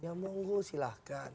ya monggo silahkan